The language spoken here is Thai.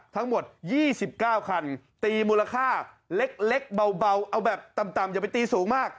ทั้งหมด๒๙คันตีมูลค่าเล็กเบาเอาแบบต่ำอย่าไปตีสูงมาก